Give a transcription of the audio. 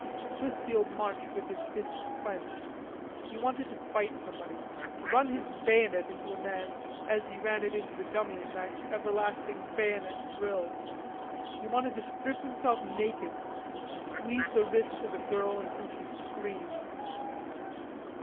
Chrisfield marched with his fists clenched; he wanted to fight somebody, to run his bayonet into a man as he ran it into the dummy in that everlasting bayonet drill, he wanted to strip himself naked, to squeeze the wrists of a girl until she screamed.